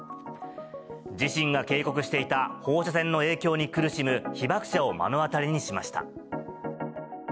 自身が警告していた放射線の影響に苦しむ被爆者を目の当たりにしました。